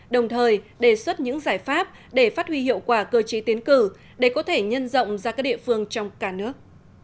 đồng thời đề xuất những giải pháp để phát huy hiệu quả cơ chế tiến cử để có thể nhân rộng ra các địa phương trong cả nước